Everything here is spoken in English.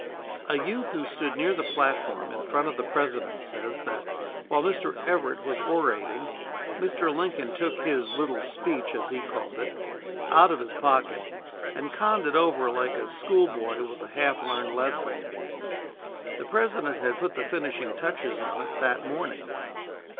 A youth who stood near the platform in front of the President says that, while Mr. Everett was orating, Mr. Lincoln took his "little speech," as he called it, out of his pocket, and conned it over like a schoolboy with a half learned lesson. The President had put the finishing touches on it that morning.